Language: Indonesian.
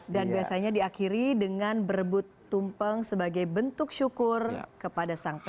dan biasanya diakhiri dengan berebut tumpeng sebagai bentuk syukur kepada sang pejabat